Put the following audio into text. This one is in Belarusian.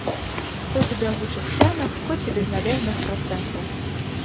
Хоць у бягучых цэнах, хоць і без належных працэнтаў.